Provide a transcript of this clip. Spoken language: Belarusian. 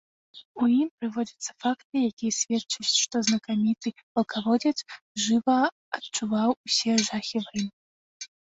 У ім прыводзяцца факты, якія сведчаць, што знакаміты палкаводзец жыва адчуваў ўсе жахі вайны.